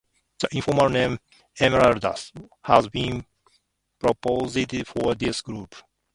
The informal name "emeralds" has been proposed for this group.